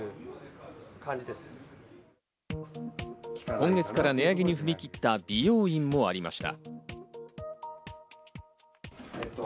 今月から値上げに踏み切った美容院もありました。